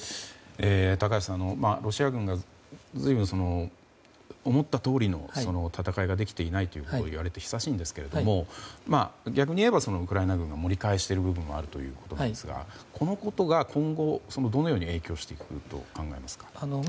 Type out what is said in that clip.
高橋さん、ロシア軍が随分思ったとおりの戦いができていないと言われて久しいんですけど逆に言えばウクライナ軍が盛り返している部分もあるということですがこのことが、今後どのように影響してくると考えますか？